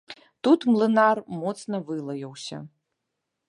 Тут млынар моцна вылаяўся.